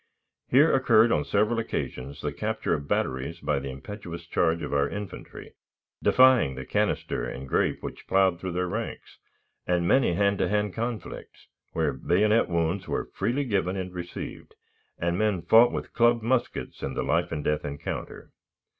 Here occurred on several occasions the capture of batteries by the impetuous charge of our infantry, defying the canister and grape which plowed through their ranks, and many hand to hand conflicts, where bayonet wounds were freely given and received, and men fought with clubbed muskets in the life and death encounter.